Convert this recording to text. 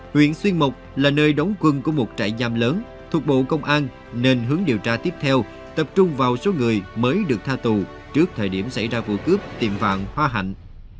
huyện xuyên mộc là nơi đóng quân của một trại giam lớn thuộc bộ công an nên hướng điều tra tiếp theo tập trung vào số người mới được tha tù trước thời điểm xảy ra vụ cướp tiệm vàng hoa hạnh